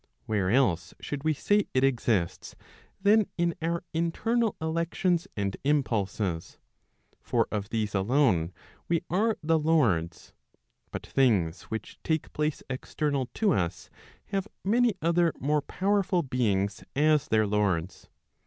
Where else should we say it exists, than in our internal elections and impulses? For of these alone we are the lords; but things which take place external to us, have many other more powerful beings as their lords.